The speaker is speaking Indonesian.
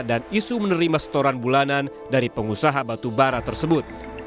dan isu menerima setoran bulanan dari pengusaha batu bara tersebut